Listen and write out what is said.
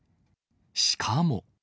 しかも。